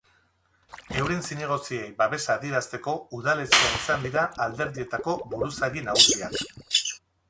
Euren zinegotziei babesa adierazteko udaletxean izan dira alderdietako buruzagi nagusiak.